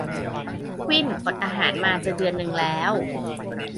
กวิ้นอดอาหารมาจะเดือนนึงแล้ว